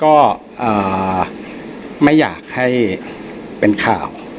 ทางญาติเองก็ไม่อยากให้เป็นข่าว